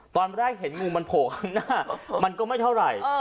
ตอนแรกเห็นงูมันโผล่ข้างหน้ามันก็ไม่เท่าไหร่